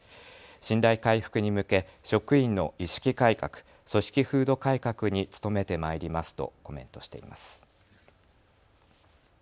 信頼回復に向け職員の意識改革、組織風土改革に努めてまいりますとコメントしています。